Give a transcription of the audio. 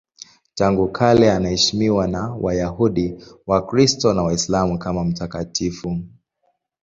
Tangu kale anaheshimiwa na Wayahudi, Wakristo na Waislamu kama mtakatifu.